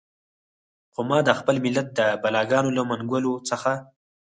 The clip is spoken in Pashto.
خو ما د خپل ملت د بلاګانو له منګولو څخه.